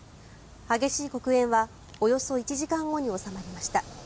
激しい黒煙はおよそ１時間後に収まりました。